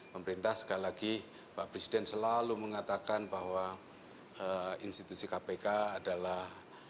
pemerintah sekali lagi pak presiden selalu mengatakan bahwa institusi kpk adalah